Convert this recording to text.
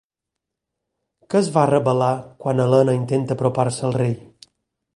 Què es va rebel·lar quan Elena intenta apropar-se al rei?